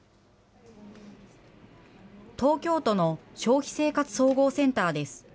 東京都の消費生活総合センターです。